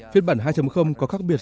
phiết bản hai có khác biệt